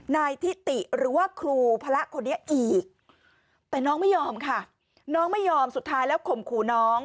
นายทิติหรือว่าครูพระคนนี้อีกแต่น้องไม่ยอมค่ะน้องไม่ยอมสุดท้ายแล้วข่มขู่น้อง